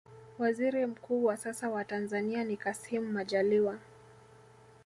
waziri mkuu wa sasa wa tanzania ni kassim majaliwa